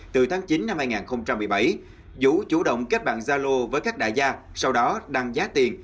từ tháng chín năm hai nghìn một mươi bảy vũ chủ động kết bạn zalo với các đại gia sau đó đăng giá tiền